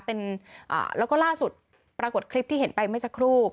แล้วก็ล่าสุดปรากฏคลิปที่เห็นไปเมื่อสักครู่